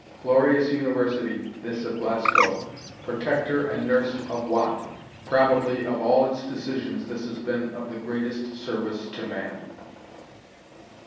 Glorious university, this of Glasgow, protector and nurse of Watt, probably of all its decisions this has been of the greatest service to man!